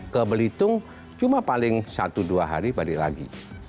ke belitung cuma paling satu dua hari balik lagi